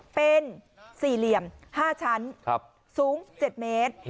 เป็นสี่เหลี่ยม๕ชั้นสูง๗เมตร